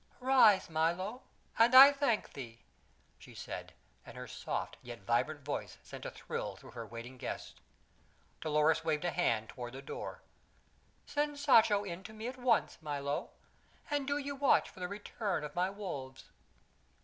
"Rise, Milo, and I thank thee," she said, and her soft, yet vibrant, voice sent a thrill through her waiting guests. Dolores waved a hand toward the door. "Send Sancho in to me at once, Milo, and do ye watch for the return of my wolves."